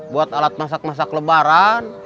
buat alat masak masak lebaran